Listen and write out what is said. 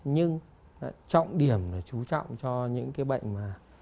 nhưng trọng điểm là chú trọng cho những cái bệnh mà